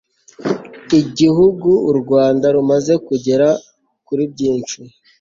igihugu u rwanda rumaze kugera kuri byinshi